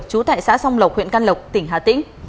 trú tại xã song lộc huyện can lộc tỉnh hà tĩnh